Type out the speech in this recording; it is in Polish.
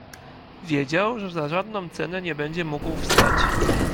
"Wiedział, że za żadną cenę nie będzie mógł wstać."